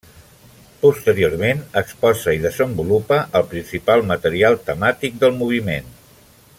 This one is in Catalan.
Posteriorment, exposa i desenvolupa el principal material temàtic del moviment.